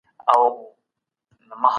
پرېز کول د روغتیا لپاره ګټور دی.